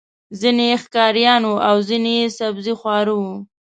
ځینې یې ښکاریان وو او ځینې یې سبزيخواره وو.